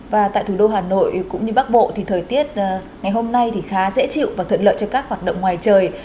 và tại thủ đô hà nội cũng như bắc bộ thì thời tiết ngày hôm nay thì khá dễ chịu và thuận lợi cho các hoạt động ngoài trời